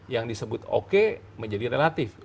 yang disebut oke menjadi relatif